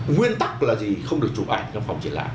nguyên tắc là gì không được chụp ảnh trong phòng chỉ làm